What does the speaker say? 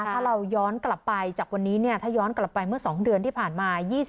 ถ้าเราย้อนกลับไปจากวันนี้ถ้าย้อนกลับไปเมื่อ๒เดือนที่ผ่านมา